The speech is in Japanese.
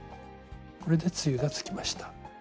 これで露がつきました。